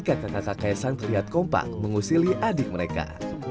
karena kakak kaisang terlihat kompak mengusili adik mereka